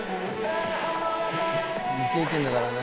未経験だからね。